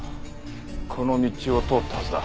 この道を通ったはずだ。